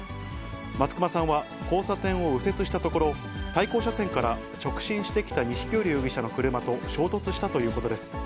松隈さんは交差点を右折したところ、対向車線から直進してきた錦織容疑者の車と衝突したということです。